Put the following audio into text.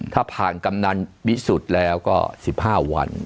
ถ้าผ่านกำนันวิสุทธิ์แล้วก็๑๕วัน